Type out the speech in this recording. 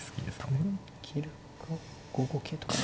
切るか５五桂とか。